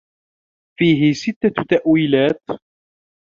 فِيهِ سِتَّةُ تَأْوِيلَاتٍ